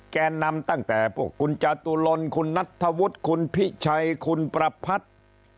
แกนนำตั้งแต่พวกคุณจตุลนคุณนัทธวุฒิคุณพิชัยคุณประพัทธ์